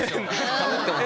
かぶってますよね。